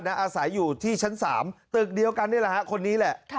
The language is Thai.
อาศัยอยู่ที่ชั้น๓ตึกเดียวกันนี่แหละฮะคนนี้แหละ